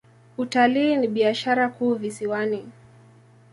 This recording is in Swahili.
Utalii ni biashara kuu visiwani.